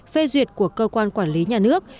phê duyệt của cơ quan quản lý nhà nước